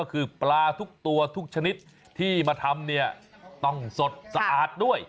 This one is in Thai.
ก็คือปลาทุกตัวทุกชนิดที่มาทำเนี่ยต้องสดสะอาดด้วย